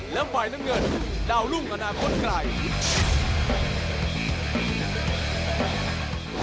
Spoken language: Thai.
และฝ่ายน้ำเงินดาวรุ่งอนาคตไกล